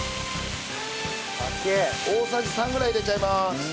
大さじ３ぐらい入れちゃいます！